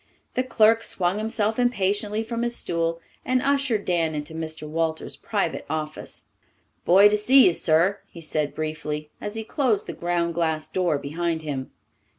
The clerk swung himself impatiently from his stool and ushered Dan into Mr. Walters's private office. "Boy to see you, sir," he said briefly, as he closed the ground glass door behind him.